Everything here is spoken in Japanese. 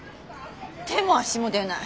手も足も出ない。